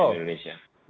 selamat malam indonesia